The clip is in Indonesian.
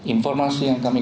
informasi yang kami